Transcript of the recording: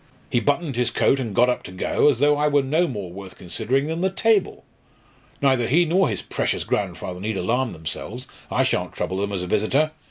He buttoned his coat and got up to go, as though I were no more worth considering than the table. Neither he nor his precious grandfather need alarm themselves: I shan't trouble them as a visitor.